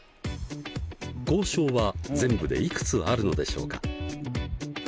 コウショウは全部でいくつあるのでしょうか？